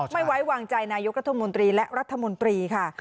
ไม่ไว้วางใจนายกรัฐมนตรีและรัฐมนตรีค่ะ